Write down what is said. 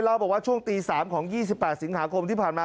เล่าบอกว่าช่วงตี๓ของ๒๘สิงหาคมที่ผ่านมา